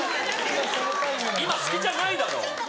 今隙じゃないだろ。